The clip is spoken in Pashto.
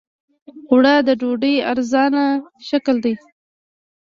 اوړه د ډوډۍ ارزانه شکل دی